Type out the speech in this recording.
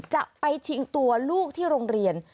จะไปชิงตัวลูกที่โรงเรียน